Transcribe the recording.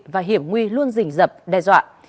và hiểm nguy luôn dình dập đe dọa